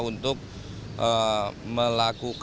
untuk melakukan pemilu